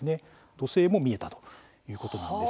土星も見えたということなんです。